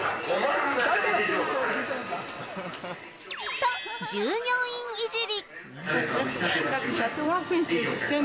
と、従業員いじり。